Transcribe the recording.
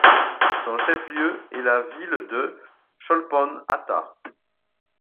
Son chef-lieu est la ville de Cholpon-Ata.